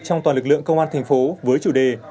trong toàn lực lượng công an tp với chủ đề